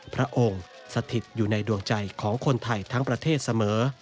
พระองค์สถิตอยู่ในดวงใจของคนไทยทั้งประเทศเสมอ